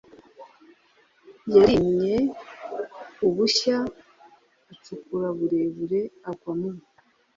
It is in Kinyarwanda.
Yarimye ubushya acukura burebure Agwa mu